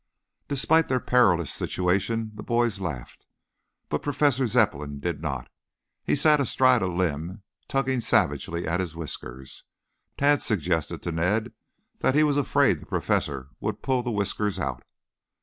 Despite their perilous situation the boys laughed, but Professor Zepplin did not. He sat astride a limb tugging savagely at his whiskers. Tad suggested to Ned that he was afraid the Professor would pull the whiskers out.